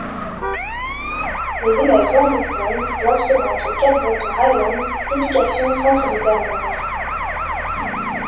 Les élèves anglophones doivent se rendre au Cape Breton Highlands Education Centre de Terre-Noire.